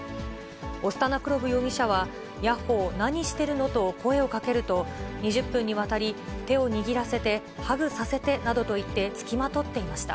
オスタナクロブ容疑者は、ヤッホー、何してるのと声をかけると、２０分にわたり、手を握らせて、ハグさせてなどと言って付きまとっていました。